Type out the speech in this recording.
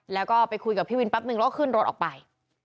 แล้วก็ไปคุยกับพี่วินแป๊บนึงแล้วก็ขึ้นรถออกไป